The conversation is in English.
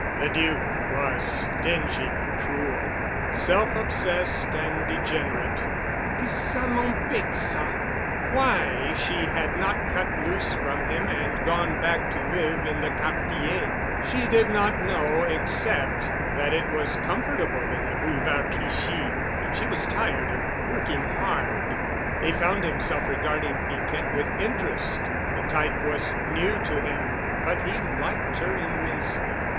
The Duc was stingy—cruel, self obsessed and degenerate. Que ça m'embête ça! Why she had not cut loose from him and gone back to live in the Quartier she did not know, except that it was comfortable in the Boulevard Clichy and she was tired of working hard. He found himself regarding Piquette with interest. The type was new to him, but he liked her immensely.